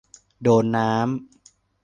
โดนน้ำ